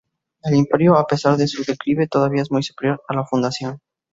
El Imperio, a pesar de su declive, todavía es muy superior a la Fundación.